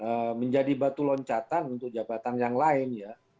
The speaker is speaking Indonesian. kemudian menjadi batu loncatan untuk jabatan yang lain ya